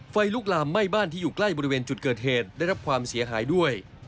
ไฟลุกลามไหม้บ้านที่อยู่ใกล้บริเวณจุดเกิดเหตุได้รับความเสียหายด้วย